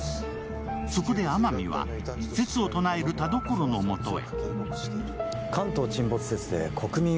そこで天海は、説を唱える田所のもとへ。